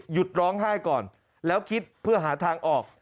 ร้องไห้ก่อนแล้วคิดเพื่อหาทางออก